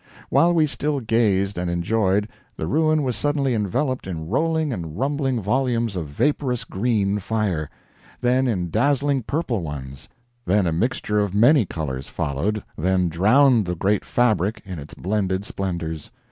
While we still gazed and enjoyed, the ruin was suddenly enveloped in rolling and rumbling volumes of vaporous green fire; then in dazzling purple ones; then a mixture of many colors followed, then drowned the great fabric in its blended splendors.